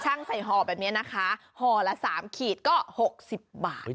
ใส่ห่อแบบนี้นะคะห่อละ๓ขีดก็๖๐บาท